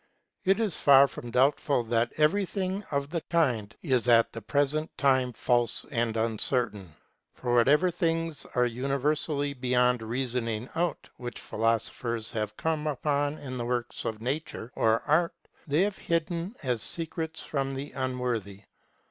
It is far from doubtful that everything of the kind is at the pres ent time false and uncertain ; for whatever things are univer sally beyond reasoning out, which philosophers have come upon in the works of nature or art, they have hidden as secrets from the unworthy.